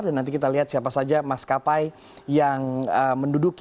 dan nanti kita lihat siapa saja maskapai yang menduduki